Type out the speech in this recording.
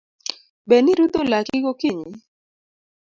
Be nirudho laki gokinyi?